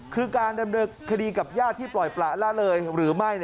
คือการดำเนินคดีกับญาติที่ปล่อยประละเลยหรือไม่